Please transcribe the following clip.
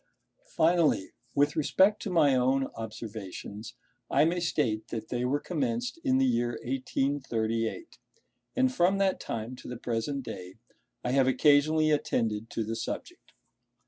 Finally, with respect to my own observations, I may state that they were commenced in the year 1838; and from that time to the present day, I have occasionally attended to the subject.